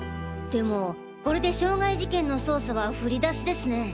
でもこれで傷害事件の捜査は振り出しですね。